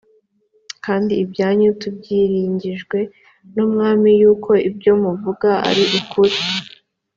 kandi ibyanyu tubyiringijwe n’umwami yuko ibyo muvuga ari ukuri